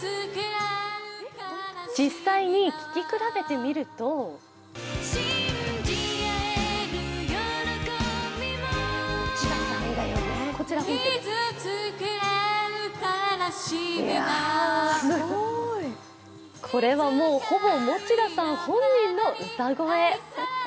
実際に聞き比べてみるとこれはもう、ほぼ持田さん本人の歌声。